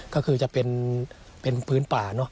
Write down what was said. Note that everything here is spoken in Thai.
ก็คือจะเป็นพื้นป่า